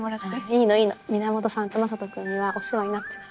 いいのいいの皆本さんと雅人君にはお世話になったから。